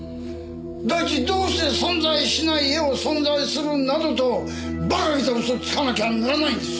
第一どうして存在しない絵を存在するなどと馬鹿げた嘘をつかなきゃならないんです！